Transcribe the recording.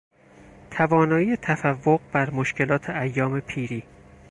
توانایی تفوق بر مشکلات ایام پیری